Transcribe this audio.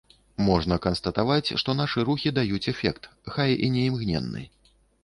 Можна канстатаваць, што нашы рухі даюць эфект, хай і не імгненны.